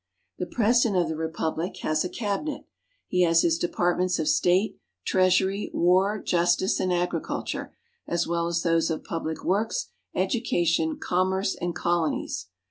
The President of the Republic has a Cabinet. He has his Departments of State, Treasury, War, Justice, and Agriculture, as well as those of Public Works, Education, Commerce, and Colonies.